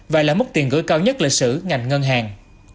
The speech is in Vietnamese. và là mức tiền gửi cao nhất lịch sử ngành ngân hàng